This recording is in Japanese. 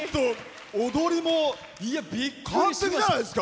踊りも完璧じゃないですか。